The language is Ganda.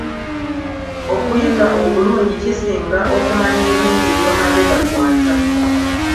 Okuyiga obulungi kusinga okumanya ebingi by'omaze gakwata.